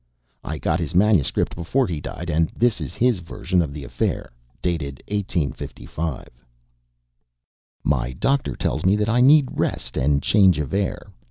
I got his manuscript before he died, and this is his version of the affair, dated 1885: My doctor tells me that I need rest and change of air.